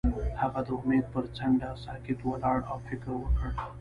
هغه د امید پر څنډه ساکت ولاړ او فکر وکړ.